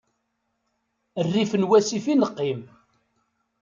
Rrif n wasif i neqqim.